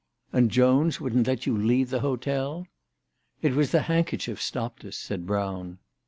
" And Jones wouldn't let you leave the hotel ?"" It was the handkerchief stopped us/' said Brown.